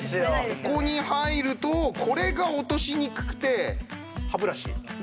ここに入るとこれが落としにくくて。